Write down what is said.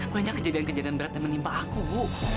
banyak kejadian kejadian berat yang menimpa aku bu